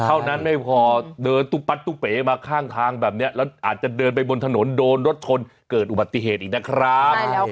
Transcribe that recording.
เท่านั้นไม่พอเดินตุ๊ปัดตุ๊เป๋มาข้างทางแบบนี้แล้วอาจจะเดินไปบนถนนโดนรถชนเกิดอุบัติเหตุอีกนะครับ